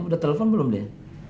udah telepon belum deh